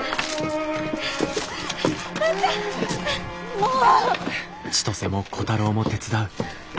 もう！